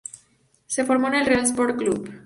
Se formó en el Real Sport Clube.